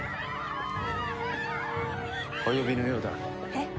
お呼びのようだ。えっ。